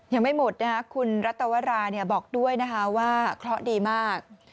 ยังไม่หมดนะคะคุณรัตวราบอกด้วยนะคะว่าเคราะห์ดีมาก